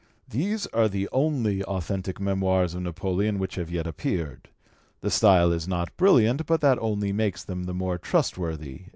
These are the only authentic Memoirs of Napoleon which have yet appeared. The style is not brilliant, but that only makes them the more trustworthy."